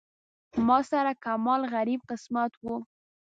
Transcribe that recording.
ما سره کمال غریب قسمت و.